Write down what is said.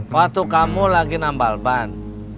waktu kamu lagi nambal ban